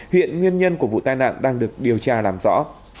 hiện nguyên nhân của vụ tai nạn đang được điều tra làm rõ